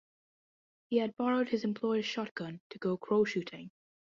He had borrowed his employer's shotgun to go crow shooting.